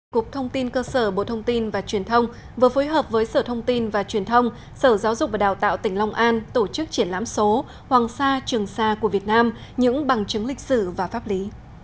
cục thông tin cơ sở bộ thông tin và truyền thông vừa phối hợp với sở thông tin và truyền thông sở giáo dục và đào tạo tỉnh long an tổ chức triển lãm số hoàng sa trường sa của việt nam những bằng chứng lịch sử và pháp lý